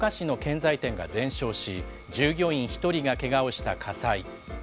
１３日、埼玉県草加市の建材店が全焼し、従業員１人がけがをした火災。